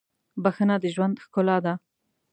• بښنه د ژوند ښکلا ده.